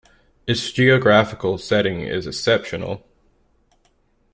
Its geographical setting is exceptional.